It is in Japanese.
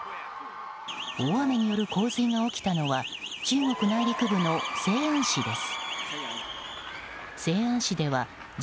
大雨による洪水が起きたのは中国内陸部の西安市です。